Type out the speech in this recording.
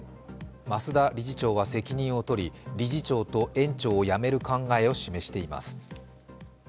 増田理事長は責任をとり理事長と園長を辞める考えを示しています。